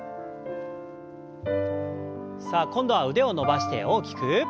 さあ今度は腕を伸ばして大きく。